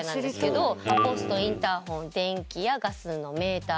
ポストインターホン電気やガスのメーター。